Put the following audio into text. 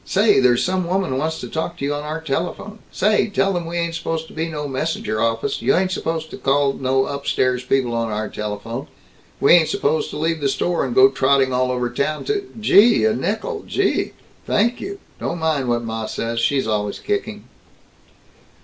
Say, there's some woman wants to talk to you on our telephone. Say, tell them we ain't supposed to be no messenger office. You ain't supposed to call no upstairs people on our telephone. We ain't supposed to leave the store and go trotting all over town to Gee, a nickel, gee, thank you, don't mind what ma says, she's always kicking."